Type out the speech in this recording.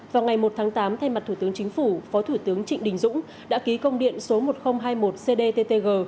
vào ngày một tháng tám thay mặt thủ tướng chính phủ phó thủ tướng trịnh đình dũng đã ký công điện số một nghìn hai mươi một cdttg